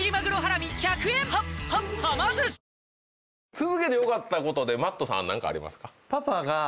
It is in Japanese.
続けてよかったことでＭａｔｔさんは何かありますか？